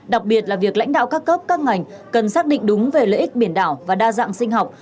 đặc biệt là việc lãnh đạo các cấp các ngành cần xác định đúng về lợi ích biển đảo và đa dạng sinh học